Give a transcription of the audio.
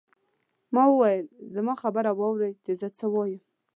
ما وویل زما خبره واورئ چې زه څه وایم.